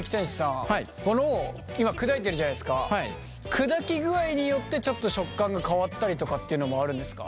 砕き具合によってちょっと食感が変わったりとかっていうのもあるんですか？